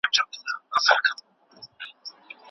دوی له پخوا لا د دې پروژې په ماموریت باندي پوهېدلي وو.